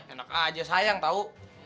enak aja sayang tau